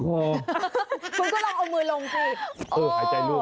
คุณก็ลองเอามือลงคืน